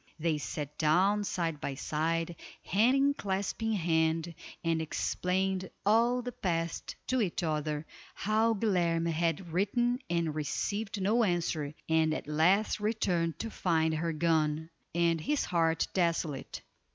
They sat down side by side, hand clasping hand, and explained all the past to each other, how Guilerme had written and received no answer, and at last returned to find her gone, and his heart desolate.